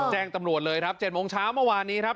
แจ้งตำรวจเลยครับ๗โมงเช้าเมื่อวานนี้ครับ